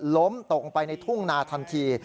ล้มตกไปในทุ่งนาทันที